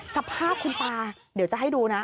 สภาพคุณตาเดี๋ยวจะให้ดูนะ